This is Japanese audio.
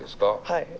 はい。